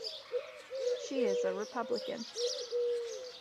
She is a Republican.